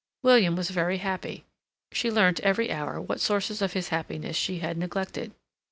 William was very happy. She learnt every hour what sources of his happiness she had neglected.